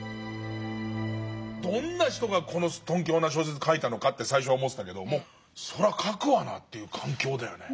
どんな人がこのすっとんきょうな小説書いたのかと最初は思ってたけどそれは書くわなという環境だよね。